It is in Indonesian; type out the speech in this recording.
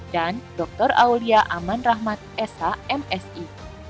dan dr aulia aman rahmat sh msi